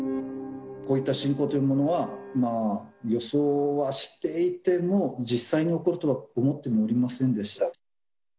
こういった侵攻というものは、予想はしていても、実際に起こるとは思ってもいませんでした。